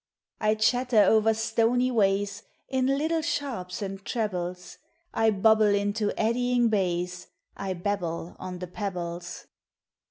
I chatter over stony ways, In little sharps and trebles, I bubble into eddying bays. I babble on the pebbles.